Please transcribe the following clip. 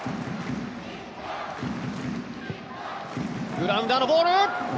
グラウンダーのボール。